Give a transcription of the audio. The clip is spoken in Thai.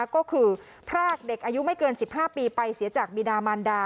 ก็คือพรากเด็กอายุไม่เกิน๑๕ปีไปเสียจากบิดามันดา